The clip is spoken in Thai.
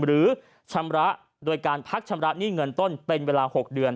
หรือชำระโดยการพักชำระหนี้เงินต้นเป็นเวลา๖เดือน